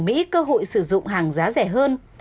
mỹ cơ hội sử dụng hàng giá rẻ hơn